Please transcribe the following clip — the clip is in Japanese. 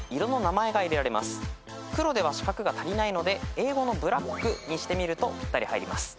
黒では四角が足りないので英語の「ブラック」にしてみるとぴったり入ります。